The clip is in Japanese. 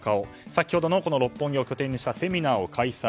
先ほどの六本木を拠点にしたセミナーの開催。